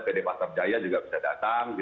pd pasar jaya juga bisa datang